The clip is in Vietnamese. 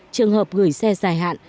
trường hợp gửi xe dài hạn